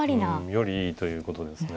よりいいということですね。